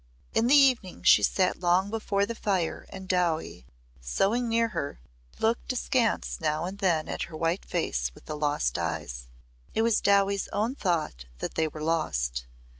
In the evening she sat long before the fire and Dowie, sewing near her, looked askance now and then at her white face with the lost eyes. It was Dowie's own thought that they were "lost."